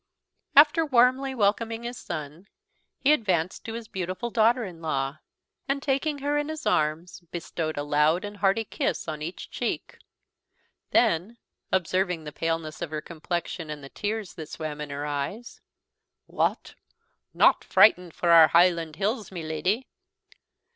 After warmly welcoming his son, he advanced to his beautiful daughter in law, and, taking her in his arms, bestowed a loud and hearty kiss on each cheek; then, observing the paleness of her complexion, and the tears that swam in her eyes, "What! not frightened for our Hieland hills, my leddy?